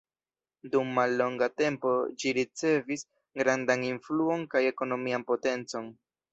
Dum mallonga tempo ĝi ricevis grandan influon kaj ekonomian potencon.